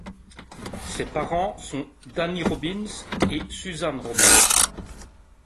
Ses parents sont Danny Robins et Susan Robins.